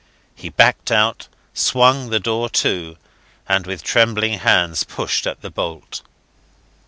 He backed out, swung the door to, and with trembling hands pushed at the bolt.